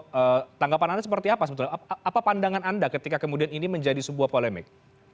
jadi tanggapan anda seperti apa apa pandangan anda ketika kemudian ini menjadi sebuah polemik